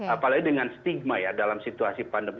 apalagi dengan stigma ya dalam situasi pandemi